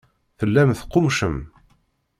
Tellam teqqummcem.